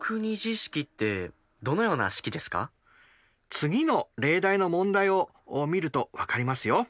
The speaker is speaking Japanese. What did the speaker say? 次の例題の問題を見ると分かりますよ。